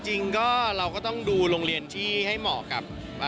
จริงก็เราก็ต้องดูโรงเรียนที่ให้เหมาะกับ